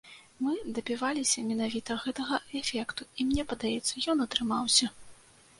Мы дабіваліся менавіта гэтага эфекту, і, мне падаецца, ён атрымаўся.